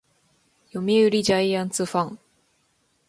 読売ジャイアンツファン